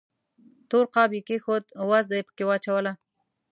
تور قاب یې کېښود، وازده یې پکې واچوله.